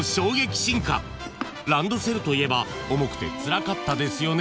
［ランドセルといえば重くてつらかったですよね］